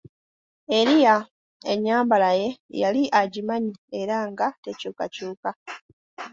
Eriya ennyambala ye yali agimanyi era nga tekyukakyuka.